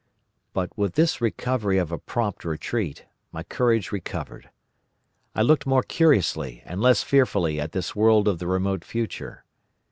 "But with this recovery of a prompt retreat my courage recovered. I looked more curiously and less fearfully at this world of the remote future.